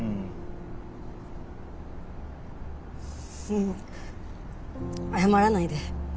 ううん謝らないで。